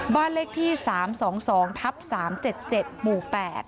บ้านเลขที่๓๒๒ทับ๓๗๗หมู่๘